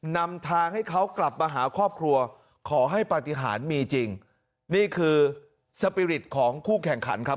นำทางให้เขากลับมาหาครอบครัวขอให้ปฏิหารมีจริงนี่คือสปิริตของคู่แข่งขันครับ